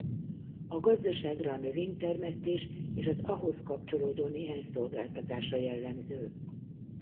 A gazdaságra a növénytermesztés és az ahhoz kapcsolódó néhány szolgáltatás a jellemző.